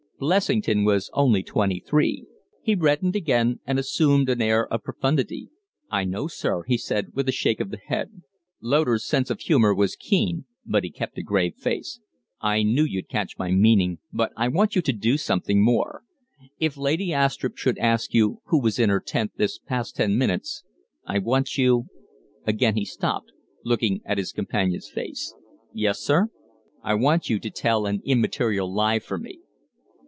Blessington was only twenty three. He reddened again, and assumed an air of profundity. "I know sir," he said, with a shake of the head. Loder's sense of humor was keen, but he kept a grave face. "I knew you'd catch my meaning; but I want you to do something more. If Lady Astrupp should ask you who was in her tent this past ten minutes, I want you " Again he stopped, looking at his companion's face. "Yes, sir?" "I want you to tell an immaterial lie for me."